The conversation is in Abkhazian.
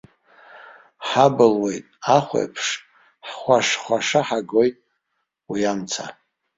Ҳабылуеит, ахәеиԥш ҳхәашхәаша ҳагоит уи амца.